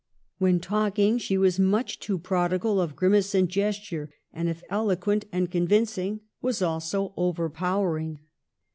When talking, she was much too prodigal of grimace and gesture, and, if eloquent and con vincing, was also overpowering.